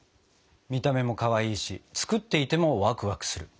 見た目もかわいいし作っていてもワクワクする。